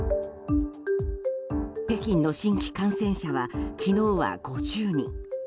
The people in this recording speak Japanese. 北京の新規感染者は昨日は５０人。